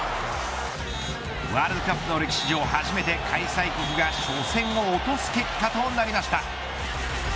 ワールドカップの歴史上初めて開催国が初戦を落とす結果となりました。